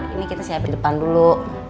ini kita siapin depan dulu